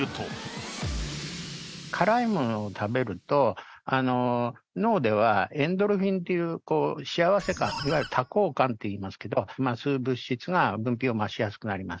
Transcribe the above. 辛いものを食べると脳ではエンドルフィンっていう幸せ感いわゆる多幸感って言いますけどそういう物質が分泌をしやすくなります。